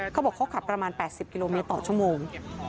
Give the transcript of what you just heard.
เขาบอกเขาขับประมาณ๘๐กิโลเมตรต่อชั่วโมง